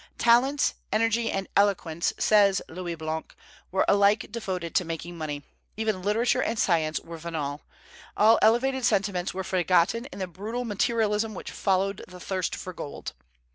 "Talents, energy, and eloquence," says Louis Blanc, "were alike devoted to making money. Even literature and science were venal. All elevated sentiments were forgotten in the brutal materialism which followed the thirst for gold."